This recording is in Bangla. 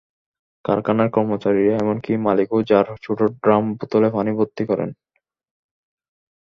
কারখানার কর্মচারীরা এমনকি মালিকও জার, ছোট ড্রাম বোতলে পানি ভর্তি করেন।